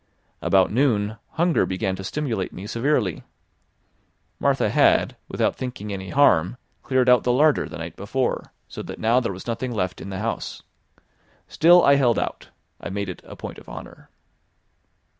About noon hunger began to stimulate me severely. Martha had, without thinking any harm, cleared out the larder the night before, so that now there was nothing left in the house. Still I held out; I made it a point of honour.